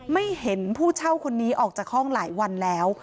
ไม่เห็นผู้เช่าคนนี้ออกจากห้องหลายวันแล้ว